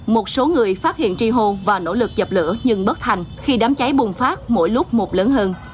một số người phát hiện tri hô và nỗ lực dập lửa nhưng bất thành khi đám cháy bùng phát mỗi lúc một lớn hơn